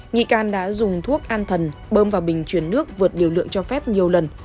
nghị can đã dùng thuốc an thần bơm vào bình chuyển nước vượt điều lượng cho phép nhiều lần